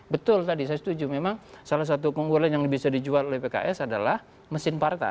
betul tadi saya setuju memang salah satu keunggulan yang bisa dijual oleh pks adalah mesin partai